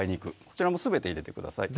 こちらもすべて入れてください